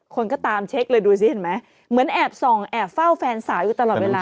คนก็ตามเช็คเลยดูสิเห็นไหมเหมือนแอบส่องแอบเฝ้าแฟนสาวอยู่ตลอดเวลา